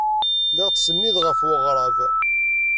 Lliɣ ttsennideɣ ɣer weɣrab.